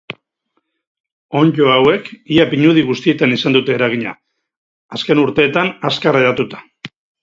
Onddo hauek ia pinudi guztietan izan dute eragina, azken urteetan azkar hedatuta.